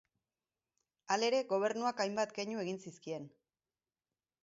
Halere, gobernuak hainbat keinu egin zizkien.